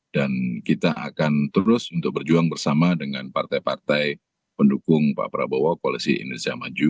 dan kita akan terus untuk berjuang bersama dengan partai partai pendukung pak prabowo koalisi indonesia maju